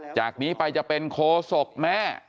จากนี้ไปจะเป็นโคศกแม่